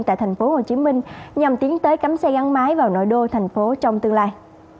tại tp hcm nhằm tiến tới cấm xe gắn máy vào nội đô thành phố trong tương lai